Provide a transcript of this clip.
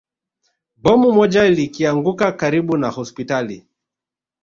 Bomu moja likianguka karibu na hospitali